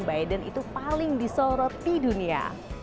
biden itu paling disorot di dunia